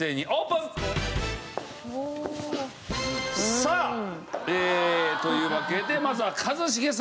さあというわけでまずは一茂さん。